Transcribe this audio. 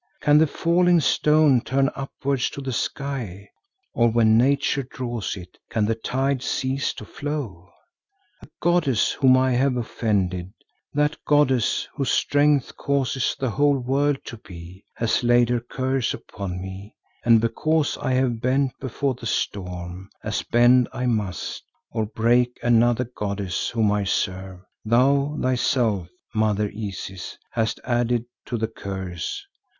Can the falling stone turn upwards to the sky, or when Nature draws it, can the tide cease to flow? A goddess whom I have offended, that goddess whose strength causes the whole world to be, has laid her curse upon me and because I have bent before the storm, as bend I must, or break, another goddess whom I serve, thou thyself, Mother Isis, hast added to the curse.